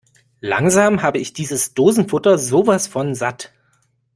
Langsam habe ich dieses Dosenfutter sowas von satt!